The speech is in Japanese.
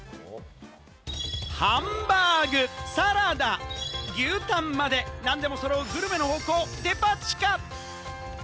ハンバーグ、サラダ、牛タンまで何でもそろう、グルメの宝庫・デパ地下。